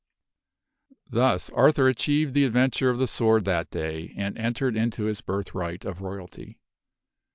Thus Arthur achieved the adventure of the sword that day and entered into his birthright of royalty.